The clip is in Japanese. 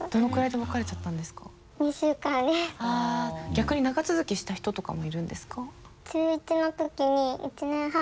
逆に長続きした人とかもいるんですか？